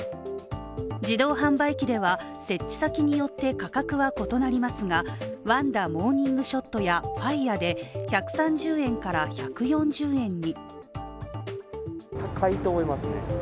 自動販売機では設置先によって価格は異なりますがワンダモーニングショットやファイアで１３０円から１４０円に。